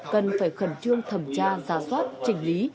cần phải khẩn trương thẩm tra giả soát trình lý